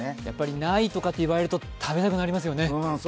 やっぱり、ないとかって言われると食べたくなりますよね。